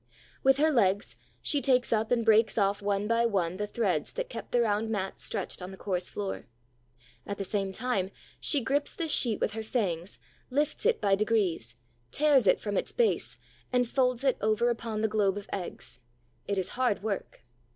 With her legs she takes up and breaks off one by one the threads that keep the round mat stretched on the coarse floor. At the same time, she grips this sheet with her fangs, lifts it by degrees, tears it from its base, and folds it over upon the globe of eggs. It is hard work.